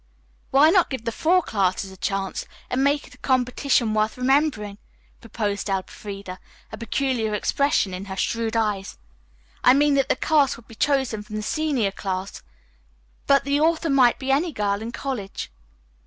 "Why not give the four classes a chance, and make it a competition worth remembering?" proposed Elfreda, a peculiar expression in her shrewd eyes. "I mean that the cast would be chosen from the senior class, but the author might be any girl in college."